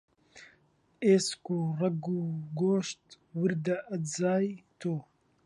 ئێسک و ڕەگ و گۆشت، وردە ئەجزای تۆ